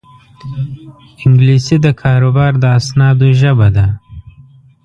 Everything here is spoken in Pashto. انګلیسي د کاروبار د اسنادو ژبه ده